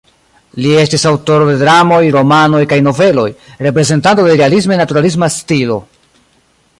Li estis aŭtoro de dramoj, romanoj kaj noveloj, reprezentanto de realisme-naturalisma stilo.